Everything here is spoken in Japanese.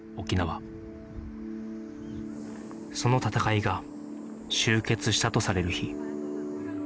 その戦いが終結したとされる日